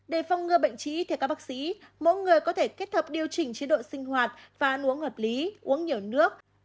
để phòng ngừa bệnh trí thì các bác sĩ mỗi người có thể kết hợp điều chỉnh chế độ sinh hoạt và ăn uống hợp lý uống nhiều nước